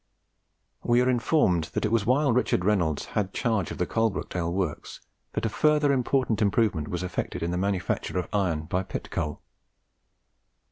We are informed that it was while Richard Reynolds had charge of the Coalbrookdale works that a further important improvement was effected in the manufacture of iron by pit coal.